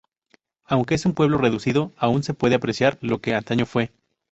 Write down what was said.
Aunque es un pueblo reducido, aún se puede apreciar lo que antaño fue.